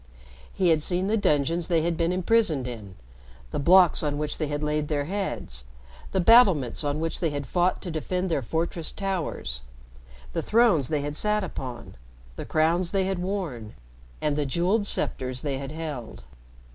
He had seen the dungeons they had been imprisoned in, the blocks on which they had laid their heads, the battlements on which they had fought to defend their fortressed towers, the thrones they had sat upon, the crowns they had worn, and the jeweled scepters they had held.